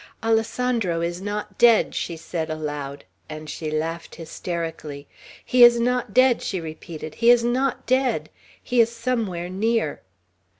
"Alessandro is not dead!" she said aloud; and she laughed hysterically. "He is not dead!" she repeated. "He is not dead! He is somewhere near!"